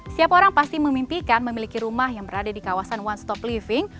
setiap orang pasti memimpikan memiliki rumah yang berada di kawasan one stop living